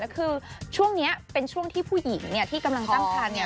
แล้วคือช่วงนี้เป็นช่วงที่ผู้หญิงเนี่ยที่กำลังตั้งทางเนี่ย